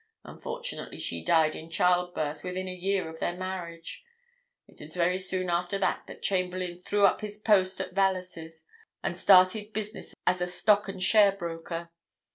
Unfortunately she died in childbirth within a year of their marriage. It was very soon after that that Chamberlayne threw up his post at Vallas's, and started business as a stock and share broker.